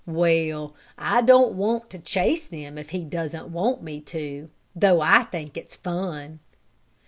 Well, I don't want to chase them if he doesn't want me to, though I think it's fun!"